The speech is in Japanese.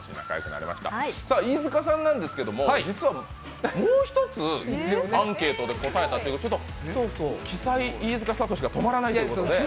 飯塚さんなんですけども実はもう一つアンケートで答えたということで鬼才・飯塚さんが止まらないですね